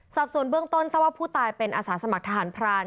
สอบส่วนเบื้องต้นทราบว่าผู้ตายเป็นอาสาสมัครทหารพราน